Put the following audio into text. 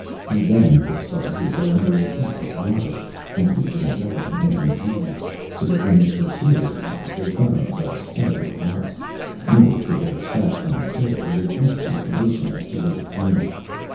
He then thrust our hero under a heap of rubbish, completely enveloping him in weeds; so that when his pursuers arrived they found themselves quite at a loss, nor could they extract from Matteo the least information as to his appearance.